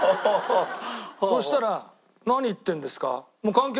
そしたら「何言ってるんですか？」。